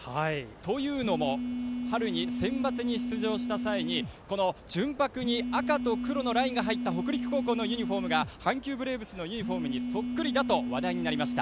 というのも春のセンバツに出場した際にこの純白に赤と黒のラインが入った北陸のユニフォームが阪急ブレーブスのユニフォームにソックリだと話題になりました。